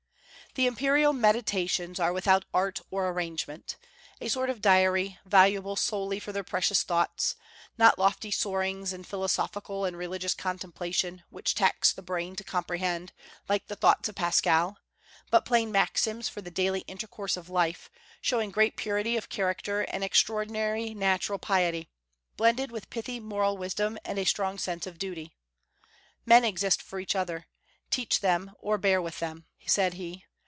The imperial "Meditations" are without art or arrangement, a sort of diary, valuable solely for their precious thoughts; not lofty soarings in philosophical and religious contemplation, which tax the brain to comprehend, like the thoughts of Pascal, but plain maxims for the daily intercourse of life, showing great purity of character and extraordinary natural piety, blended with pithy moral wisdom and a strong sense of duty. "Men exist for each other: teach them or bear with them," said he.